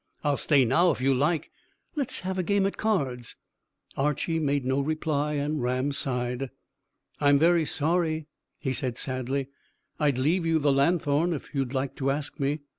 I'll stay now if you like. Let's have a game at cards." Archy made no reply, and Ram sighed. "I'm very sorry," he said sadly; "and I'd leave you the lanthorn if you like to ask me."